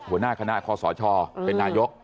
หัวหน้าคณะคอสชเป็นนายก